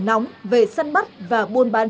nóng về sân bắt và buôn bán